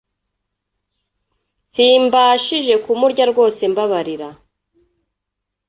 simbashije kumurya rwose mbabarira.